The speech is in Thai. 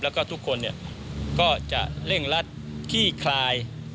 แล้วก็ทุกคนก็จะเร่งรัดขี้คลาย